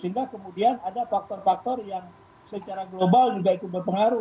sehingga kemudian ada faktor faktor yang secara global juga ikut berpengaruh